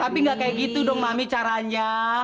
tapi nggak kayak gitu dong mami caranya